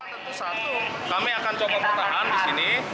tentu satu kami akan coba bertahan di sini